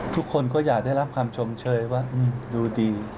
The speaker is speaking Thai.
ทุกคนก็อยากได้รับความชมเชยว่าดูดี